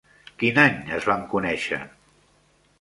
Quin any es van conèixer?